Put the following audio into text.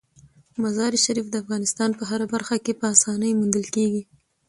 مزارشریف د افغانستان په هره برخه کې په اسانۍ موندل کېږي.